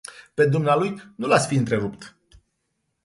Pe dumnealui nu l-ați fi întrerupt.